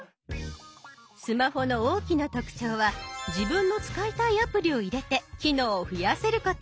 スマホの大きな特徴は自分の使いたいアプリを入れて機能を増やせること。